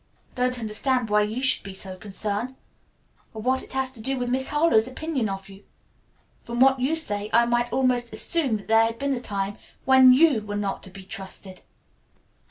I don't understand why you should be so concerned, or what it has to do with Miss Harlowe's opinion of you. From what you say I might almost assume that there had been a time when you were not to be trusted."